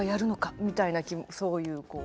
みたいなそういうこう。